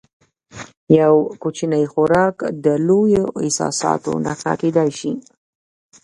یو کوچنی خوراک د لویو احساساتو نښه کېدای شي.